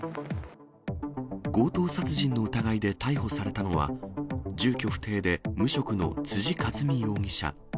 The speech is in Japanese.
強盗殺人の疑いで逮捕されたのは、住居不定で無職の辻和美容疑者。